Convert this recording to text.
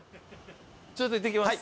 ちょっと行ってきます。